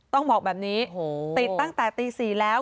ต้องบอกแบบนี้โอ้โหติดตั้งแต่ตีสี่แล้ว